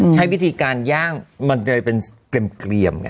ใช้วิธีการย่างมันจะเป็นเกลี่ยมไง